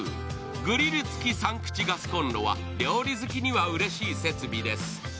グリル付き３口ガスコンロは料理好きにはうれしい設備です。